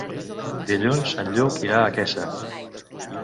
Dilluns en Lluc irà a Quesa.